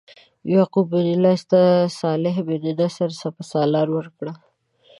یعقوب بن لیث ته صالح بن نصر سپه سالاري ورکړه.